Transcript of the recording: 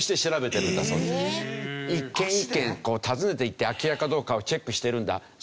一軒一軒訪ねていって空き家かどうかをチェックしてるんだそうですよ。